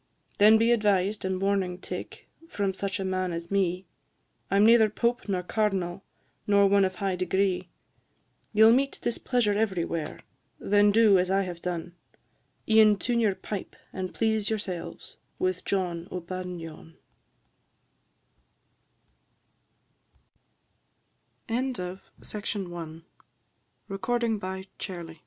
Then be advised, and warning take From such a man as me; I 'm neither Pope nor Cardinal, Nor one of high degree; You 'll meet displeasure everywhere; Then do as I have done, E'en tune your pipe and please yourselves With John o' Badenyon. This song was